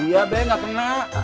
iya be gak kena